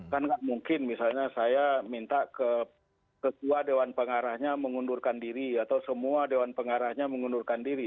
kan nggak mungkin misalnya saya minta ke ketua dewan pengarahnya mengundurkan diri atau semua dewan pengarahnya mengundurkan diri